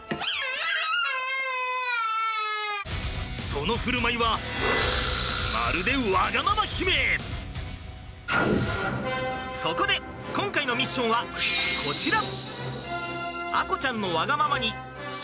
その振る舞いはまるでそこで今回のミッションはこちら！